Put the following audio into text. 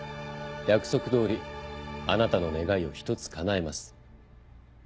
約束どおりあなたの願いを一つかなえます。